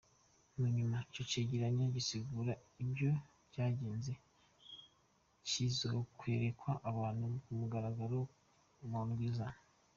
Mu nyuma, ico cegeranyo gisigura uko vyagenze kizokwerekwa abantu ku mugaragaro mu ndwi iza.